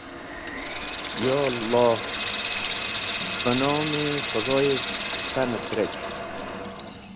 Yo Aloh, banom-e Khudoes̃h k̃han et rec̃h.”